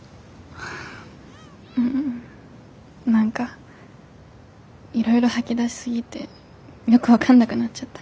うん何かいろいろ吐き出し過ぎてよく分かんなくなっちゃった。